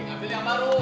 ambil yang baru